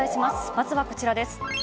まずはこちらです。